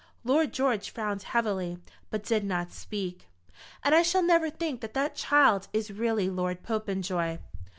Lord George frowned heavily, but did not speak. "And I shall never think that that child is really Lord Popenjoy."